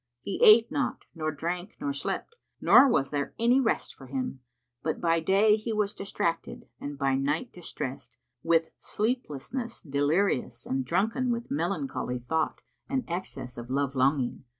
He ate not nor drank nor slept, nor was there any rest for him; but by day he was distracted and by night distressed, with sleeplessness delirious and drunken with melancholy thought and excess of love longing.